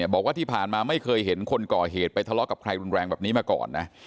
บอกว่าที่ผ่านมาไม่เคยเห็นคนก่อเหตุไปทะเลาะกับใครรุนแรงแบบนี้มาก่อนนะ